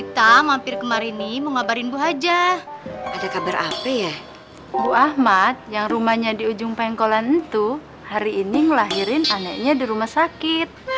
tuh dokumannya juga agak sepi